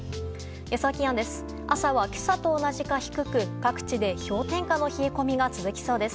予想気温です。